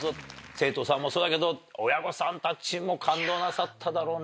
生徒さんもそうだけど親御さんたちも感動なさっただろうね。